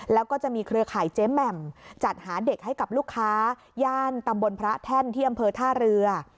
แล้วก็จะมีเครือข่ายเจ๊แหม่มจัดหาเด็กให้กับลูกค้าย่านตำบลพระแท่นที่อำเภอท่าเรือ